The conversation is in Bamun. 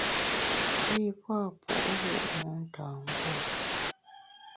Yi pua’ puo’wu’ motângû.